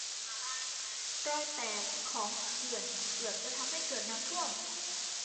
รอยแตกของเขื่อนเกือบจะทำให้เกิดน้ำท่วม